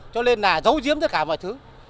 cho nên là giấu giếm tất cả mọi thứ